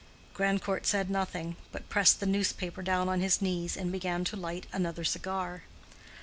Grandcourt said nothing, but pressed the newspaper down on his knees and began to light another cigar.